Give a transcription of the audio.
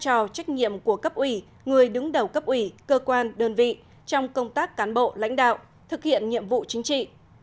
nhất là những nơi có trách nhiệm của cấp ủy người đứng đầu cấp ủy cơ quan đơn vị trong công tác cán bộ lãnh đạo thực hiện nhiệm vụ chính trị